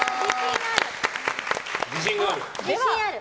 自信ある！